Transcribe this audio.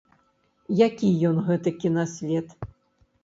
Які ён, гэты кінасвет?